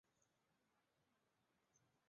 主体居民傣族。